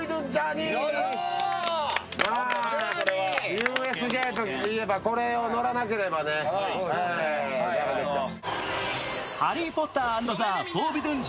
ＵＳＪといえば、これに乗らなければ駄目でしょう。